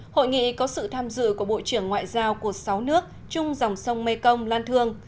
hội nghị có sự tham dự của bộ trưởng ngoại giao của sáu nước chung dòng sông mekong lan thương